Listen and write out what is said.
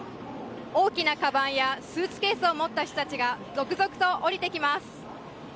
大きなかばんやスーツケースを持った人たちが続々と降りてきます。